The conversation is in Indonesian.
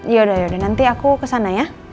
yaudah yaudah nanti aku kesana ya